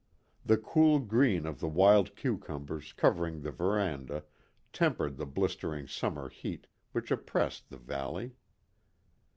The cool green of the wild cucumbers covering the veranda tempered the blistering summer heat which oppressed the valley.